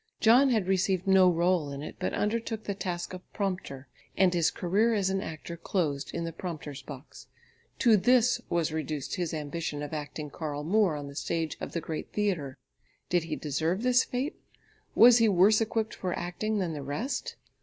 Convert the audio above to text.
John had received no rôle in it, but undertook the task of prompter. And his career as an actor closed in the prompter's box. To this was reduced his ambition of acting Karl Moor on the stage of the Great Theatre! Did he deserve this fate? Was he worse equipped for acting than the rest?